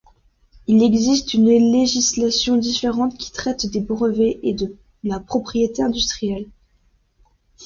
Il existe une législation différente qui traite des brevets et de la propriété industrielle.